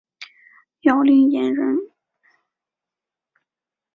姚令言人。